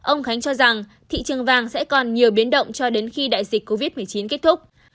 ông khánh cho rằng thị trường vàng sẽ còn nhiều biến động cho đến khi đại dịch covid một mươi chín kết thúc